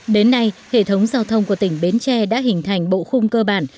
đến nay hệ thống giao thông của tỉnh bến tre đã hình thành bộ khung cơ bản